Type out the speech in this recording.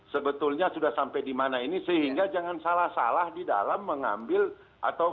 sebetulnya sudah sampai di mana ini sehingga jangan salah salah di dalam mengambil atau